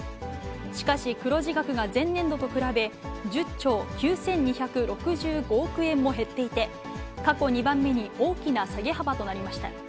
しかし、黒字額が前年度と比べ、１０兆９２６５億円も減っていて、過去２番目に大きな下げ幅となりました。